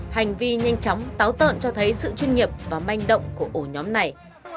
hành vi nhanh chóng táo tợn cho thấy sự chuyên nghiệp và manh động của ổ nhóm này